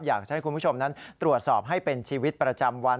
อยากจะให้คุณผู้ชมนั้นตรวจสอบให้เป็นชีวิตประจำวัน